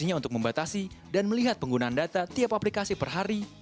menunjukkan kepada anda sejauh mana banyak data yang digunakan